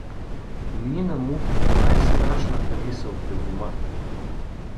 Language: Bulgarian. Мина му най-страшната мисъл през ума.